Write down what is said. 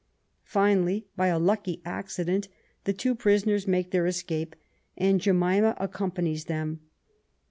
Finally, by a lucky accident, the two prisoners make their escape, and Jenrima accompaniea them.